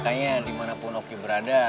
makanya dimanapun oki berada